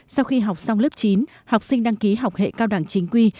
sau khi học xong lớp chín học sinh đăng ký học hệ cao đẳng chính quy